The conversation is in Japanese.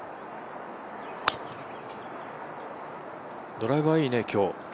ドライバー、いいね、今日。